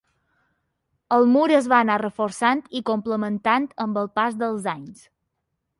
El mur es va anar reforçant i complementant amb el pas dels anys.